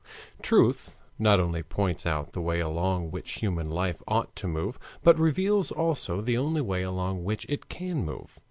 Truth not only points out the way along which human life ought to move, but reveals also the only way along which it can move.